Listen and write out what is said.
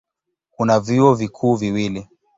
Kuna vyuo vikuu viwili.